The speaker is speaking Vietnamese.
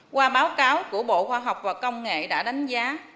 qua báo cáo của bộ khoa học và công nghệ đã đánh giá